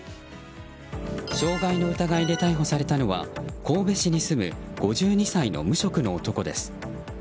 傷害の疑いで逮捕されたのは神戸市に住む５２歳の無職の男です。